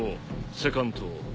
セカン島。